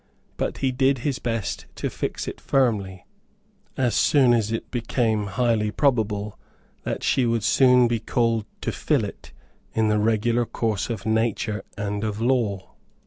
But he did his best to fix it firmly, as soon as it became highly probably that she would soon be called to fill it in the regular course of nature and of law.